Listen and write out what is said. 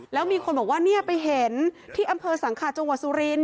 แล้วมีคนบอกว่าเนี่ยไปเห็นที่อำเภอสังขาจังหวัดสุรินท